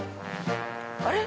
あれ？